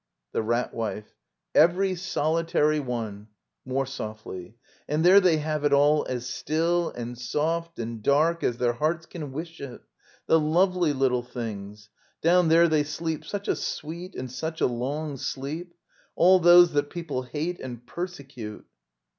The Rat Wife. Every solitary one. [More softly.] And there they have it all as still, and soft, and dark as their hearts can wish it — the lovely little things! Down there they sleep such a sweet and such a long sleep ! All those that people hate and persecute!